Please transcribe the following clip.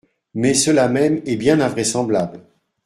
Mais cela même est bien invraisemblable.